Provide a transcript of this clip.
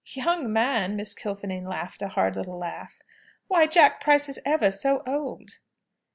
"Young man!" Miss Kilfinane laughed a hard little laugh. "Why Jack Price is ever so old!"